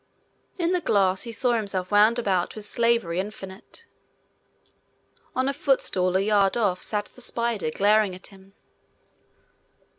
In the glass he saw himself wound about with slavery infinite. On a footstool a yard off sat the spider glaring at him.